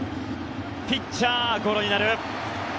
ピッチャーゴロになる。